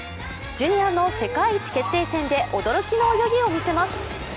ジュニアの世界一決定戦で驚きの泳ぎを見せます。